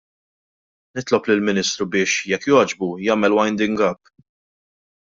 Nitlob lill-Ministru biex, jekk jogħġbu, jagħmel winding up.